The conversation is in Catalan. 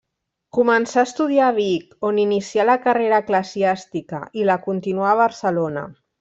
Començà a estudiar a Vic, on inicià la carrera eclesiàstica i la continuà a Barcelona.